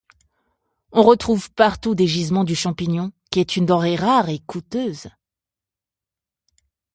On retrouve partout des gisements du champignon, qui est une denrée rare et coûteuse.